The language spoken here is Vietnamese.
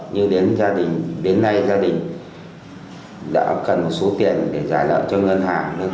nhưng đến nay gia đình đã cần một số tiền để giải lợi cho ngân hàng